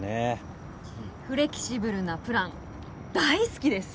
フレキシブルなプラン大好きです。